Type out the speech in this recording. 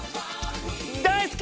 大好き！